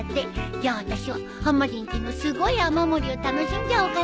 じゃああたしははまじんちのすごい雨漏りを楽しんじゃおうかな。